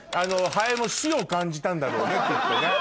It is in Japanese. ハエも死を感じたんだろうねきっとね。